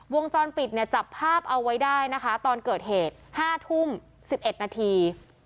วงจรปิดเนี่ยจับภาพเอาไว้ได้นะคะตอนเกิดเหตุ๕ทุ่ม๑๑นาที